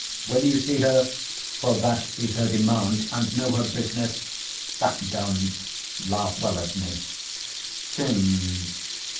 Will you see her, For that is her demand, and know her business? That done, laugh well at me. KING.